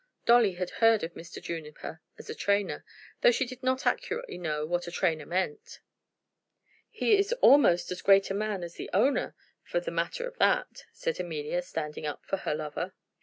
Dolly had heard of Mr. Juniper as a trainer, though she did not accurately know what a trainer meant. "He is almost as great a man as the owner, for the matter of that," said Amelia, standing up for her lover.